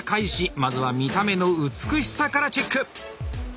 まずは「見た目の美しさ」からチェック！